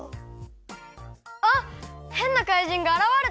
あっへんなかいじんがあらわれた！